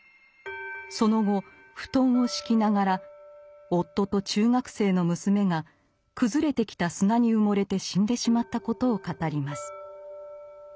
その後布団を敷きながら夫と中学生の娘が崩れてきた砂に埋もれて死んでしまったことを語ります。